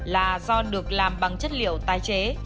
là do được làm bằng chất liệu tái chế